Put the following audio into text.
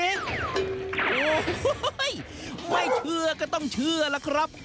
โอ้โหไม่เชื่อก็ต้องเชื่อล่ะครับ